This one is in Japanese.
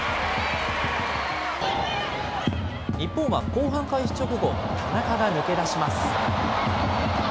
日本は後半開始直後、田中が抜け出します。